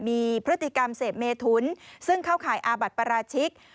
มีพฤติกรรมเสพเมทุนซึ่งเข้าข่ายอาบัติปราชิก